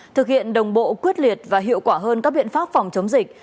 thực hiện đồng bộ quyết liệt và hiệu quả hơn các biện pháp phòng chống dịch